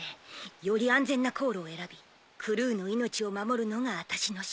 より安全な航路を選びクルーの命を守るのが私の仕事。